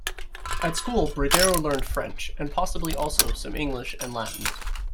At school Bredero learned French and possibly also some English and Latin.